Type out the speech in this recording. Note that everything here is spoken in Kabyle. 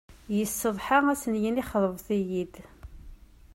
Yessetḥa ad sen-yini xeḍbet-iyi-d.